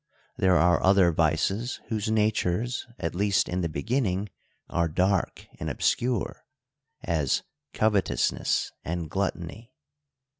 There are other vices, whose natures, at least in the beginning, are dark and obscure ; as coveteousness, and gluttony.